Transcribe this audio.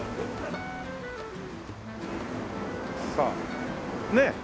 さあねっ。